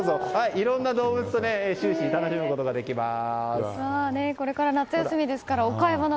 いろんな動物と終始、楽しむことができます。